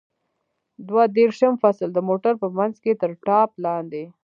دوه دېرشم فصل: د موټر په منځ کې تر ټاټ لاندې.